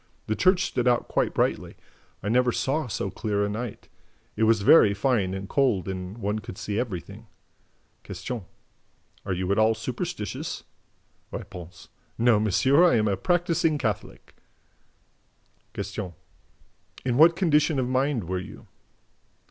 The church stood out quite brightly. I never saw so clear a night. It was very fine and very cold and one could see everything." Q. "Are you at all superstitious?" R. "No, monsieur, I am a practising Catholic," Q. "In what condition of mind were you?"